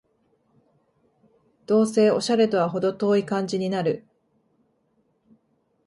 どうせオシャレとはほど遠い感じになる